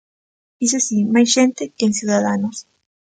Iso si, máis xente que en Ciudadanos.